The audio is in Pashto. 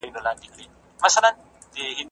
چې د سمې په نسبت کېړکیچو اسانه ده